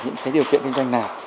những cái điều kiện kinh doanh nào